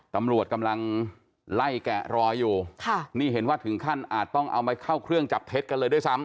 ตำรวจกำลังไล่แกะรอยอยู่ค่ะนี่เห็นว่าถึงขั้นอาจต้องเอามาเข้าเครื่องจับเท็จกันเลยด้วยซ้ำ